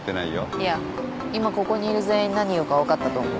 いや今ここにいる全員何言うか分かったと思う。